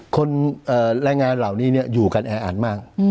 คนแรงงานเหล่านี้อยู่กันแออัดมาก